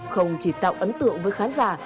không chỉ tạo ấn tượng với khán giả